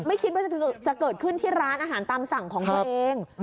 ไม่คิดว่าจะเกิดขึ้นที่ร้านอาหารตามสั่งของตัวเอง